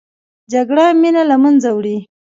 جګړه مینه له منځه وړي